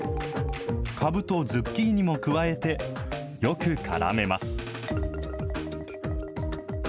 かぶとズッキーニも加えて、よくからめます。